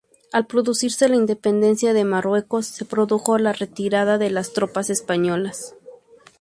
Al producirse la Independencia de Marruecos, se produjo la retirada de las tropas españolas.